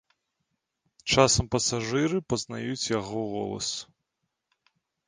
Часам пасажыры пазнаюць яго голас.